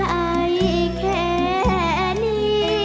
ไอแค่นี้